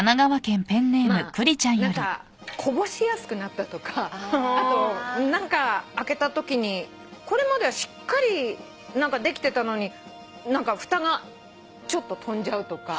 まあ何かこぼしやすくなったとかあと何か開けたときにこれまではしっかりできてたのにふたがちょっと飛んじゃうとか。